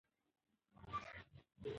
که پرده وي نو لمر نه ځوروي.